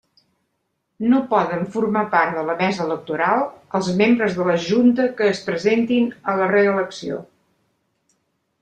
No poden formar part de la Mesa Electoral els membres de la Junta que es presentin a la reelecció.